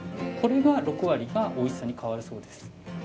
これが６割がおいしさに変わるそうです。